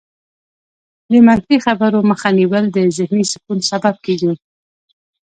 د منفي خبرو مخه نیول د ذهني سکون سبب کېږي.